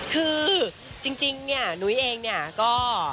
คือจริงนุ้ยเองก็